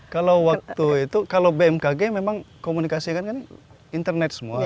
kalau waktu itu kalau bmkg memang komunikasi kan internet semua